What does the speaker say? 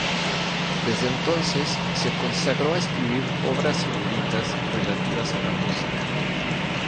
Desde entonces, se consagró a escribir obras eruditas relativas a la música.